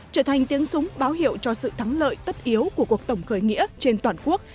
trở thành tiếng súng báo hiệu cho sự thắng lợi tất yếu của cuộc tổng khởi nghĩa trên toàn quốc